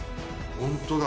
ホントだ。